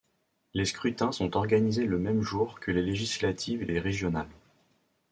Les scrutins sont organisés le même jour que les législatives et les régionales.